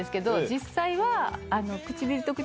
実際は。